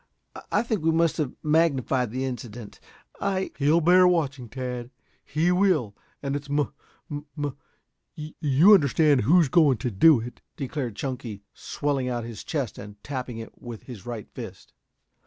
I think we must have magnified the incident. I " "He'll bear watching, Tad. He will and it's muh muh you understand who's going to do it," declared Chunky, swelling out his chest and tapping it with his right fist.